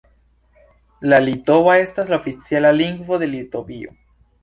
La litova estas la oficiala lingvo de Litovio.